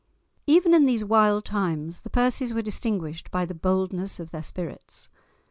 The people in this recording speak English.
Even in these wild times the Percies were distinguished by the boldness of their spirits.